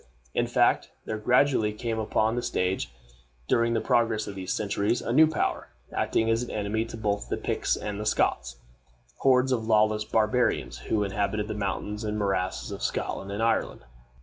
In fact, there gradually came upon the stage, during the progress of these centuries, a new power, acting as an enemy to both the Picts and Scots; hordes of lawless barbarians, who inhabited the mountains and morasses of Scotland and Ireland.